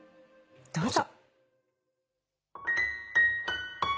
どうぞ。